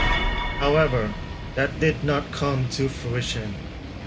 However, that did not come to fruition.